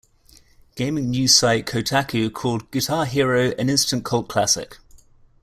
Gaming news site Kotaku called "Guitar Hero" an "instant cult classic".